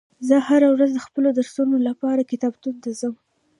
زه هره ورځ د خپلو درسونو لپاره کتابتون ته ځم